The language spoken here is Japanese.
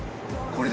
これ。